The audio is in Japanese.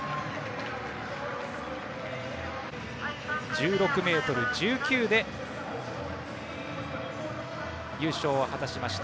１６ｍ１９で優勝を果たしました。